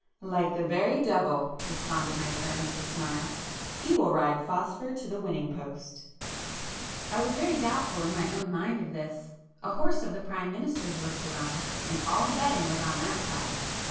"Like the very devil!"—responded my friend with a smile: "He will ride 'Phosphor' to the winning post." [p 249]I was very doubtful in my own mind of this; a horse of the Prime Minister's was to run, and all the betting was on that side.